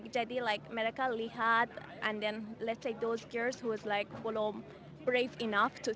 jadi mereka lihat dan mereka lihat mereka yang berani untuk mencoba